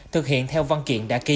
thực hiện theo văn kiện đã ký